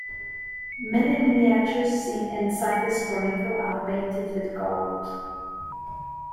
Many miniatures seen inside this chronicle are painted with gold.